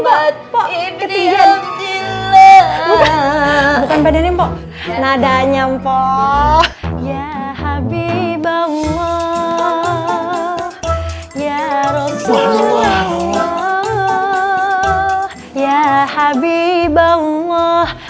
di luar ketinggian mbak mbak mbak mbak nadanya mpo ya habib allah ya rasulullah ya habib allah